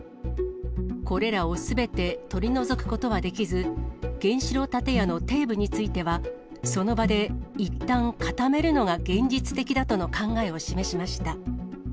これらをすべて取り除くことはできず、原子炉建屋の底部については、その場でいったん固めるのが現実的だとの考えを示しました。